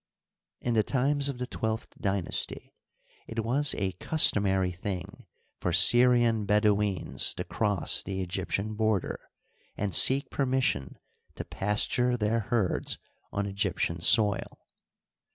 In the times of the twelfth d5masty it was a customary thing for Syrian Bedouins to cross the Egyptian border and seek permission to pasture their herds on Egyptian soil.